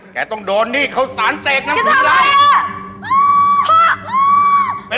แกต้องโดนที่เขาสานเสกนำสฝีไข่อาจารย์กิสภัย